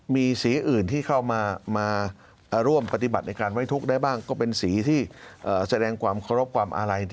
มีสีอื่นที่เข้ามาร่วมปฏิบัติในการไว้ทุกข์ได้บ้างก็เป็นสีที่แสดงความเคารพความอาลัย